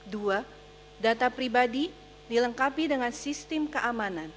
dua data pribadi dilengkapi dengan sistem keamanan